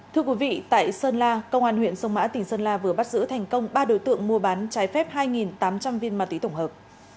thưa quý vị tại sơn la công an huyện sông mã tỉnh sơn la vừa bắt giữ thành công ba đối tượng mua bán trái phép hai tám trăm linh viên ma túy tổng hợp